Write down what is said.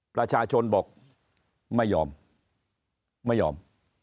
ประชาชนบอกไม่ยอมไม่ยอม